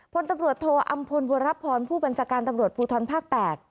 พลตำรวจโทอำพลบัวรับพรผู้บัญชาการตำรวจภูทรภาค๘